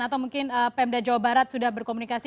atau mungkin pemda jawa barat sudah berkomunikasi